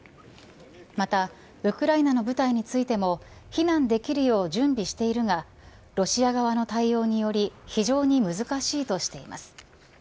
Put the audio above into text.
またウクライナの部隊についても避難できるよう準備しているがロシア側の対応により非常に難しいとしています。